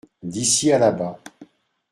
D’ici à là-bas.